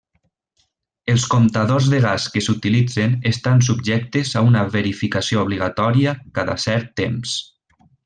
Els comptadors de gas que s'utilitzen estan subjectes a una verificació obligatòria cada cert temps.